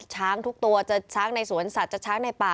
ช้างทุกตัวจะช้างในสวนสัตว์ช้างในป่า